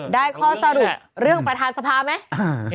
ได้ข้อสรุปเรื่องประธานสภาไหม